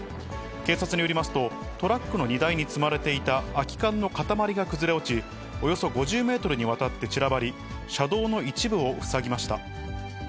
警察によりますと、トラックの荷台に積まれていた空き缶の塊が崩れ落ち、およそ５０メートルにわたって散らばり、車道の一部を塞ぎました。